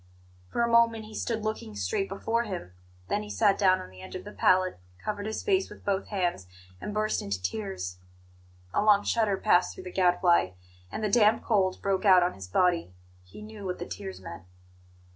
For a moment he stood looking straight before him; then he sat down on the edge of the pallet, covered his face with both hands, and burst into tears. A long shudder passed through the Gadfly, and the damp cold broke out on his body. He knew what the tears meant.